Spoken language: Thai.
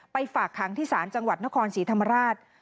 ฝากขังที่ศาลจังหวัดนครศรีธรรมราช